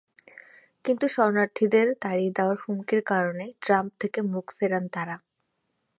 কিন্তু শরণার্থীদের তাড়িয়ে দেওয়ার হুমকির কারণেই ট্রাম্প থেকে মুখ ফেরান তাঁরা।